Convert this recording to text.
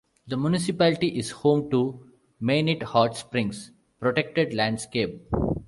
The municipality is home to the Mainit Hot Springs Protected Landscape.